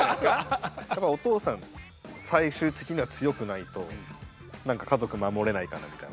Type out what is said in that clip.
やっぱお父さん最終的には強くないとなんか家族守れないかなみたいな。